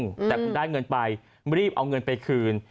แต่คุณได้เงินไปรีบเอาเงินไปคืน